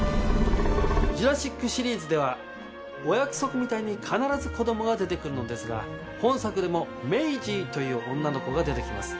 『ジュラシック』シリーズではお約束みたいに必ず子供が出て来るのですが本作でもメイジーという女の子が出て来ます。